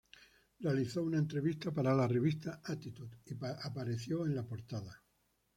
Realizó una entrevista para la revista Attitude y apareció en la portada.